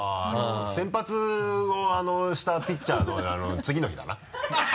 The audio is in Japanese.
先発をしたピッチャーのあの次の日だな。